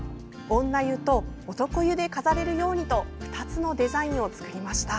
女湯と男湯で飾れるようにと２つのデザインを作りました。